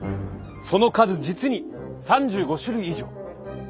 その数実に３５種類以上。